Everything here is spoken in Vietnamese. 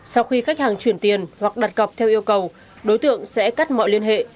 sau khi khách hàng chuyển tiền hoặc đặt cọc theo yêu cầu đối tượng sẽ cắt mọi liên hệ